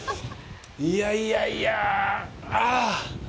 いやいやいやあ！